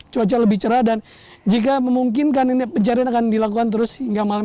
cuaca lebih cerah dan jika memungkinkan ini pencarian akan dilakukan terus hingga malam